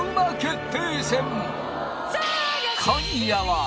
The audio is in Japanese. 今夜は